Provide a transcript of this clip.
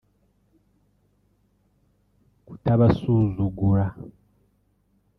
kutabasuzugura